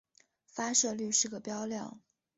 发射率是个标量。